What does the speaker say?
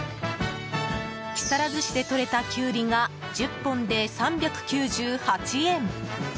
木更津市でとれたキュウリが１０本で３９８円。